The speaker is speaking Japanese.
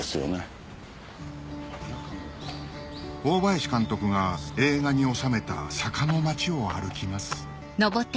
大林監督が映画に収めた坂の町を歩きます